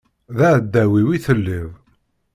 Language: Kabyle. D aεdaw-iw i telliḍ.